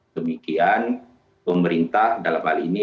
demikian pemerintah dalam hal ini